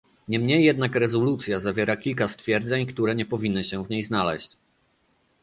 Niemniej jednak rezolucja zawiera kilka stwierdzeń, które nie powinny się w niej znaleźć